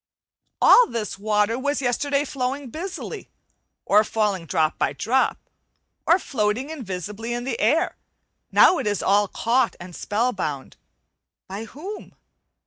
All this water was yesterday flowing busily, or falling drop by drop, or floating invisibly in the air; now it is all caught and spell bound by whom?